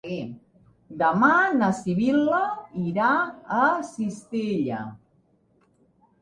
Demà na Sibil·la irà a Cistella.